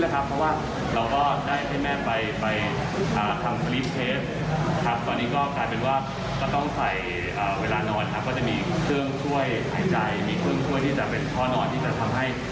หายใจในเวลานอนคุณพ่อก็ไม่สบาย